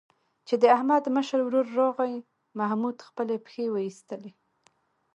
چې د احمد مشر ورور راغی، محمود خپلې پښې وایستلې.